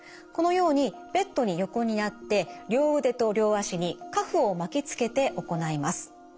このようにベッドに横になって両腕と両足にカフを巻きつけて行います。